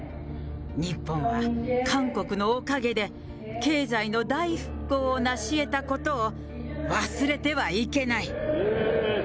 日本は韓国のおかげで、経済の大復興を成し得たことを忘れてはいけない。